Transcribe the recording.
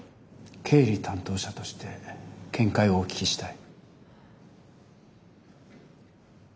経理担当者として見解をお聞きしたい。